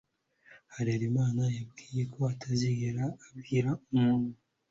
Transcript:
Harerimana yambwiye ko atazigera abibwira umuntu.